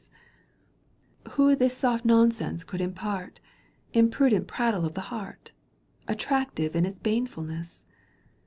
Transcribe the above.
85 Who tHs soft nonsense could impart, Imprudent prattle of the heart, Attractive in its banefulness